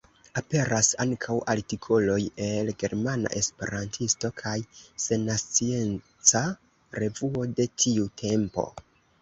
Aperas ankaŭ artikoloj el Germana Esperantisto kaj Sennacieca Revuo de tiu tempo.